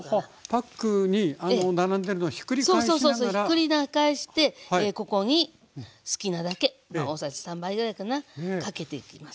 ひっくり返してここに好きなだけ大さじ３杯ぐらいかなかけていきますね。